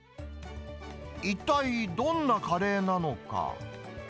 一体どんなカレーなのか。